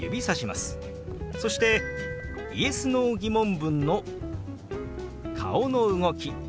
そしてＹｅｓ／Ｎｏー疑問文の顔の動き